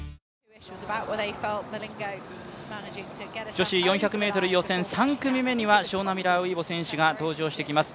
女子４００ｍ予選３組目にはショーナ・ミラー・ウイボ選手が登場してきます。